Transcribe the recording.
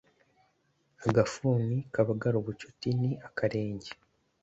Agafuni kabagara ubucuti ni akarenge